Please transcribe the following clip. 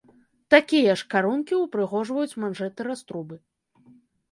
Такія ж карункі ўпрыгожваюць манжэты-раструбы.